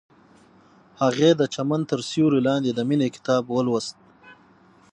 هغې د چمن تر سیوري لاندې د مینې کتاب ولوست.